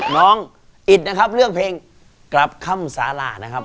น้องอิดนะครับเลือกเพลงกลับคำสารานะครับ